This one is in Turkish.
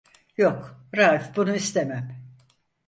Yok, Raif bunu istemem.